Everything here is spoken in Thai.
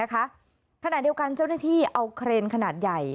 เข้าทางเดียวกันเจ้านักที่เอาเครนขนาดใหญ่